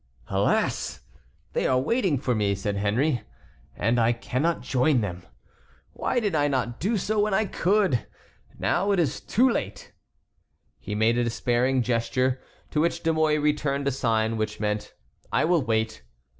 "Alas! they are waiting for me," said Henry, "and I cannot join them. Why did I not do so when I could? Now it is too late!" He made a despairing gesture, to which De Mouy returned a sign which meant, "I will wait."